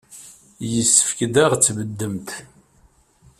Yessefk ad aɣ-tbeddemt.